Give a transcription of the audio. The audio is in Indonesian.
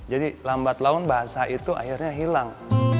jadi lambat laun bahasa itu akhirnya hilang